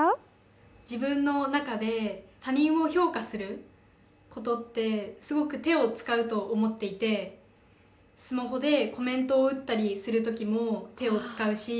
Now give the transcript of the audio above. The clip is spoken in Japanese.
自分の中で他人を評価することってすごく手を使うと思っていてスマホでコメントを打ったりする時も手を使うし。